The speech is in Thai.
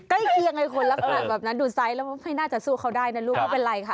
ใกล้เคียงไอ้คนลักษณะแบบนั้นดูไซส์แล้วไม่น่าจะสู้เขาได้นะลูกไม่เป็นไรค่ะ